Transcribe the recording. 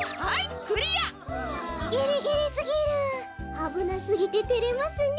あぶなすぎててれますね。